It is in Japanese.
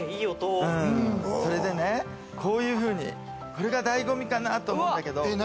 それでね、こういうふうにこれが醍醐味かなって思うんだけど。